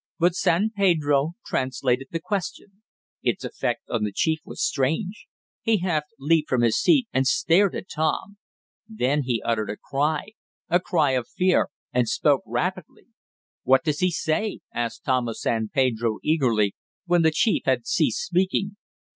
But San Pedro translated the question. Its effect on the chief was strange. He half leaped from his seat, and stared at Tom. Then he uttered a cry a cry of fear and spoke rapidly. "What does he say?" asked Tom of San Pedro eagerly, when the chief had ceased speaking.